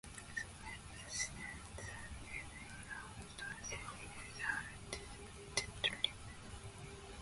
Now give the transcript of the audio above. Some ascidians that live on soft sediments are detritivores.